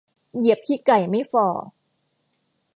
เหยียบขี้ไก่ไม่ฝ่อ